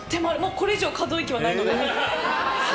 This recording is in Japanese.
これ以上、可動域はないので。